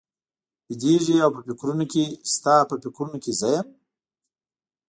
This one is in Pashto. بېدېږي او په فکرونو کې وي، ستا په فکرونو کې زه یم؟